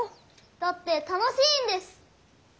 だって楽しいんです。